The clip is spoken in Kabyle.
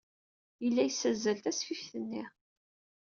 Yella yessazzal tasfift-nni.